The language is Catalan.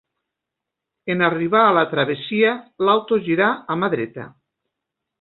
En arribar a la travessia, l'auto girà a mà dreta.